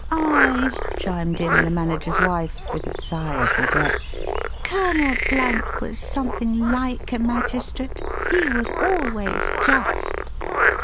"Aye," chimed in the manager's wife, with a sigh of regret, " Colonel was something Hke a magistrate. He was always just."